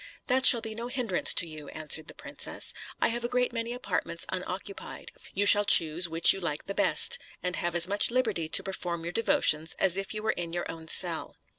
"That shall be no hindrance to you," answered the princess; "I have a great many apartments unoccupied; you shall choose which you like best, and have as much liberty to perform your devotions as if you were in your own cell."